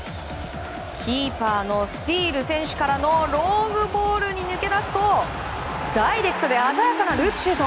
キーパーのスティール選手からのロングボールに抜け出すとダイレクトで鮮やかなループシュート！